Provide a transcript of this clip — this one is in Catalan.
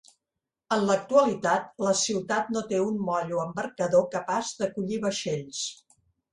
En l'actualitat, la ciutat no té un moll o embarcador capaç d'acollir vaixells.